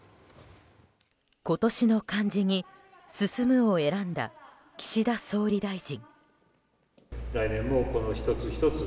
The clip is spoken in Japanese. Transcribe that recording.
今年の漢字に「進」を選んだ岸田総理大臣。